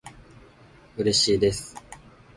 うれしいです